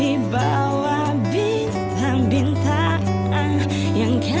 iya ini pak